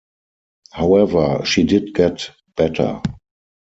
However she did get better.